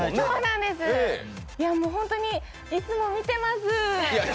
ホントにいつも見てます。